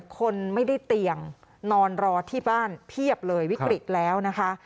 คนไม่ได้เตียงนอนรอที่บ้านเพียบเลยวิกฤตแล้วนะคะ